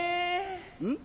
うん？